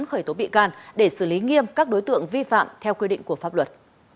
khởi tố bị can để xử lý nghiêm các đối tượng vi phạm theo quy định của pháp luật